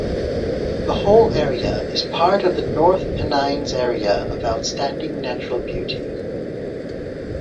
The whole area is part of the North Pennines Area of Outstanding Natural Beauty.